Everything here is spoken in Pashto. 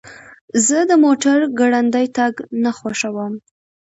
زه د موټر ګړندی تګ نه خوښوم.